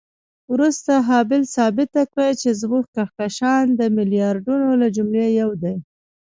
وروسته هابل ثابته کړه چې زموږ کهکشان د میلیاردونو له جملې یو دی.